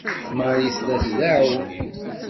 Marie tella tdeɛɛu.